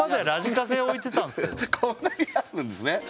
こんなにあるんですね